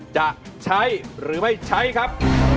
จะใช้หรือไม่ใช้ครับ